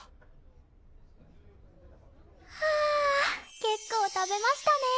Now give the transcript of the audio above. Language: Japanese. はあ結構食べましたね。